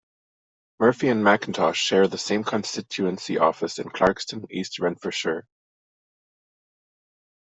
Murphy and Macintosh share the same constituency office in Clarkston, East Renfrewshire.